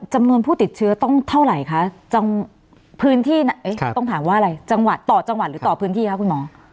จำนวนผู้ติดเชื้อต้องเท่าไหร่คะต้องถามว่าอะไรต่อจังหวัดหรือต่อพื้นที่ครับคุณหมอ